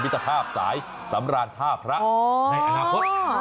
ตรภาพสายสำราญท่าพระในอนาคต